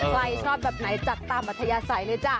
ใครชอบแบบไหนจัดตามอัธยาศัยเลยจ้ะ